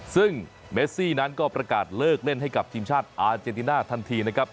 ซึ่งเมซี่นั้นก็ประกาศเลิกเล่นให้กับทีมชาติอาเจนติน่าทันทีนะครับ